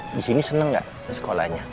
di sini seneng gak sekolahnya